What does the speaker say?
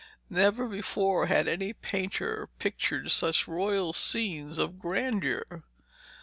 Never before had any painter pictured such royal scenes of grandeur.